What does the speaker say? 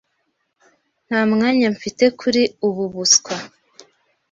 Nta mwanya mfite kuri ubu buswa.